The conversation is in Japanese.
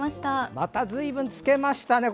またずいぶんつけましたね！